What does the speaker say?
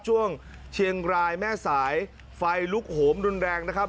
ช่วงเชียงรายแม่สายไฟลุกโหมรุนแรงนะครับ